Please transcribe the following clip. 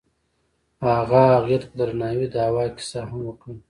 هغه هغې ته په درناوي د هوا کیسه هم وکړه.